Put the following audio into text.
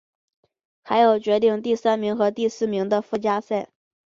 还有决定第三名和第四名的附加赛。